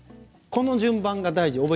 この順番が大事。